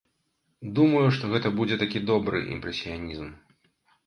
Думаю, што гэта будзе такі добры імпрэсіянізм.